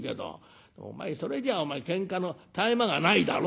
お前それじゃお前けんかの絶え間がないだろ」。